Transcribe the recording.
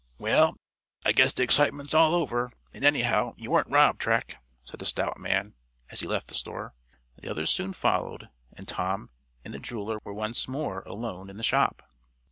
"Well, I guess the excitement's all over, and, anyhow, you weren't robbed, Track," said a stout man, as he left the store. The others soon followed, and Tom and the jeweler were once more alone in the shop.